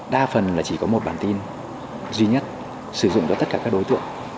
đa phần là chỉ có một bản tin duy nhất sử dụng cho tất cả các đối tượng